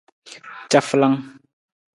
Cafalang.